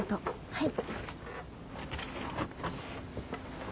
はい！